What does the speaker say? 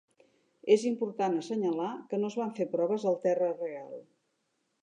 És important assenyalar que no es van fer proves al terra real.